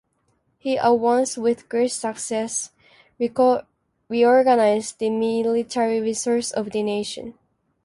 He at once, with great success, reorganized the military resources of the nation.